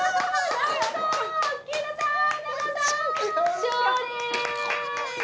勝利！